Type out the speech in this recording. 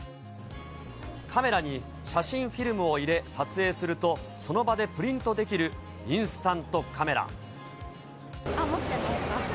カメラに写真フィルムを入れ、撮影すると、その場でプリントで持ってました。